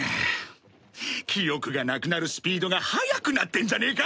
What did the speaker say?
記憶がなくなるスピードが速くなってんじゃねえか！